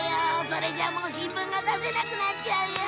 それじゃあもう新聞が出せなくなっちゃうよ。